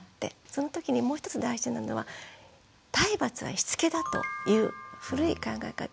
そのときにもう一つ大事なのは体罰はしつけだという古い考え方。